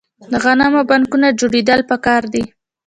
د غنمو بانکونه جوړیدل پکار دي.